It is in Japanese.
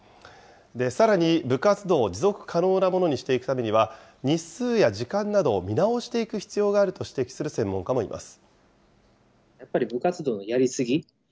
さらに部活動を持続可能なものにしていくためには、日数や時間などを見直していく必要があると指摘する専門家もいます。